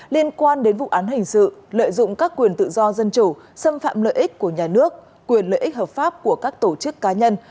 liên quan đến vụ án hình sự lợi dụng các quyền tự do dân chủ xâm phạm lợi ích của nhà nước quyền lợi ích hợp pháp của các tổ chức cá nhân